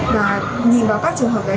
và nhìn vào các trường hợp đấy